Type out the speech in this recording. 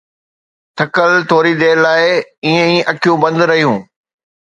ٿڪل، ٿوري دير لاءِ ائين ئي اکيون بند رهيو